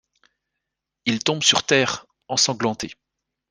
Il tombe sur terre, ensanglanté.